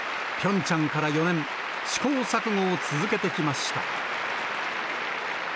ピョンチャンから４年、試行錯誤を続けてきました。